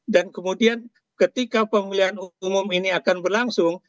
dan kemudian ketika pemilihan umum ini akan berlangsung